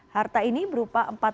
harta ini berupa empatan